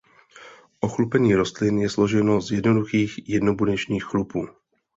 Ochlupení rostlin je složeno z jednoduchých jednobuněčných chlupů.